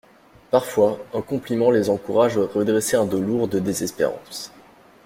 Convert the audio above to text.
Parfois un compliment les encourage à redresser un dos lourd de désespérances.